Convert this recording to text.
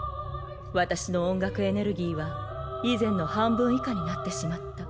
私の音楽エネルギーは以前の半分以下になってしまった。